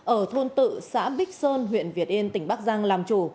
ở thôn tự xã bích sơn huyện việt yên tỉnh bắc giang làm chủ